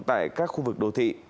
tại các khu vực đô thị